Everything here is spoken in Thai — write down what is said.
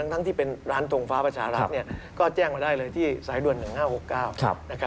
ทั้งที่เป็นร้านทงฟ้าประชารัฐก็แจ้งมาได้เลยที่สายด่วน๑๕๖๙